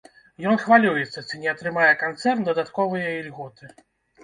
Ён хвалюецца, ці не атрымае канцэрн дадатковыя ільготы.